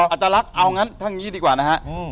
อาจารักษ์เอางั้นท่างนี้ดีกว่านะฮะ